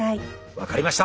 分かりました。